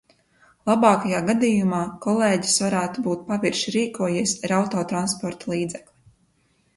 Labākajā gadījumā kolēģis varētu būt pavirši rīkojies ar autotransporta līdzekli.